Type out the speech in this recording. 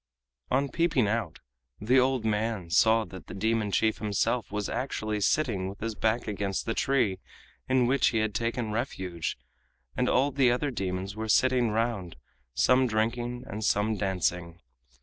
On peeping out, the old man saw that the demon chief himself was actually sitting with his back against the tree in which he had taken refuge, and all the other demons were sitting round, some drinking and some dancing.